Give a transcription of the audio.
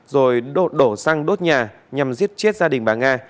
rồi đổ xăng đốt nhà nhằm giết chết gia đình bà nga